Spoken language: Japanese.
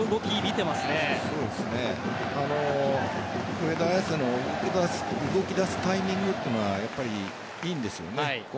上田綺世の動き出すタイミングというのはいいんですよね。